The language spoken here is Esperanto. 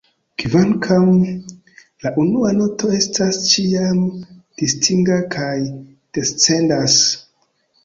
Kvankam, la unua noto estas ĉiam distinga kaj descendas.